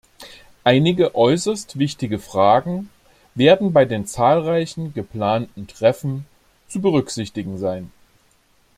Einige äußerst wichtige Fragen werden bei den zahlreichen geplanten Treffen zu berücksichtigen sein.